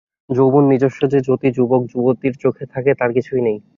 যৌবনের নিজস্ব যে-জ্যোতি যুবক-যুবতীর চোখে থাকে তার কিছুই নেই।